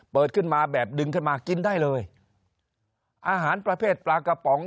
ขึ้นมาแบบดึงขึ้นมากินได้เลยอาหารประเภทปลากระป๋อง